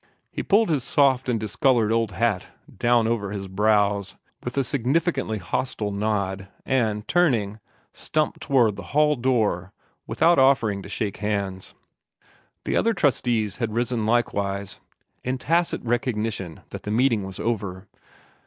He pulled his soft and discolored old hat down over his brows with a significantly hostile nod, and, turning, stumped toward the hall door without offering to shake hands. The other trustees had risen likewise, in tacit recognition that the meeting was over.